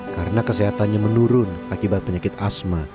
karena kesehatannya menurun akibat penyakit asma